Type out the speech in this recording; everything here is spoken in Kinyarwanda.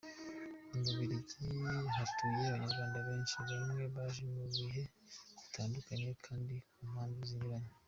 Mu Bubiligi hatuye Abanyarwanda benshi, bamwe baje mu bihe bitandukanye kandi ku mpamvu zinyuranye.